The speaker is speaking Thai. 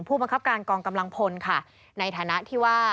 ผู้บังคับการกองกำลังพลค่ะในฐานะที่ว่า